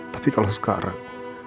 tapi kalau sekarang